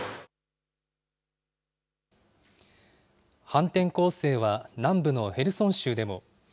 反転攻勢は南部のヘルソン州でも。